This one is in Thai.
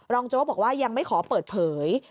โจ๊กบอกว่ายังไม่ขอเปิดเผย